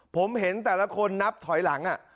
ผมเห็นแต่ละคนนับถอยหลัง